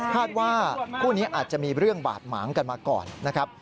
ว่าคู่นี้อาจจะมีเรื่องบาดหมางกันมาก่อนนะครับ